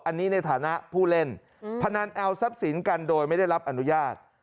อันนี้ในฐานะผู้เล่นพนันเอาทรัพย์สินกันโดยไม่ได้รับอนุญาต